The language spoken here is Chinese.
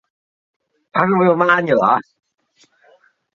后来由单簧管手兼作曲家加以改良。